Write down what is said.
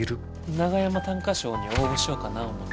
長山短歌賞に応募しようかな思て。